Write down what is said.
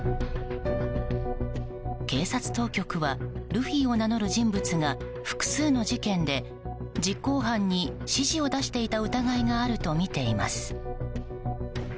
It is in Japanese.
警察当局はルフィを名乗る人物が複数の事件で実行犯に指示を出していた疑いがあるとみています。